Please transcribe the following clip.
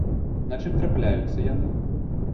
На чым трапляюцца яны?